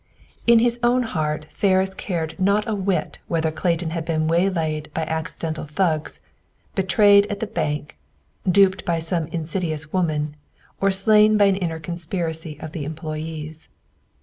In his own heart Ferris cared not a whit whether Clayton had been waylaid by accidental thugs, betrayed at the bank, duped by some insidious woman, or slain by an inner conspiracy of the employees.